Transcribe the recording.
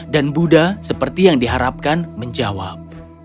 dan buddha seperti yang diharapkan menjawab